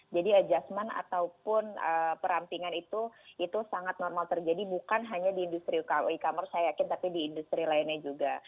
jadi adjustment ataupun perampingan itu sangat normal terjadi bukan hanya di industri e commerce saya yakin tapi di industri lainnya juga